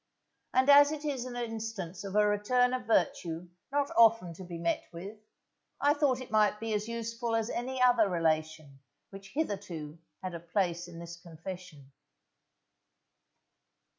And as it is an instance of a return of virtue not often to be met with, I thought it might be as useful as any other relation which hitherto had a place in this confession.